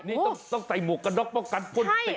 นี่ต้องใส่หมูกระดอกป้องกันพ่นเสียงตา